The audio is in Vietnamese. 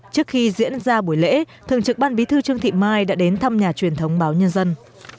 trước khi diễn ra buổi lễ thường trực ban bí thư trương thị mai đã đến thăm nhà truyền thống báo nhân dân